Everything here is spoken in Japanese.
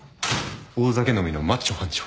大酒飲みのマッチョ班長。